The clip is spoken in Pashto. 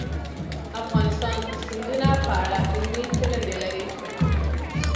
افغانستان د سیندونه په اړه علمي څېړنې لري.